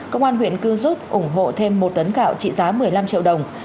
công an huyện cư rút ủng hộ thêm một tấn gạo trị giá một mươi năm triệu đồng